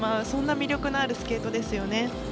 そんな魅力のあるスケートですよね。